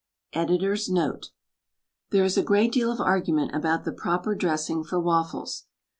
Editor's Note: — There is a great deal of argument about the proper dressing for waffles.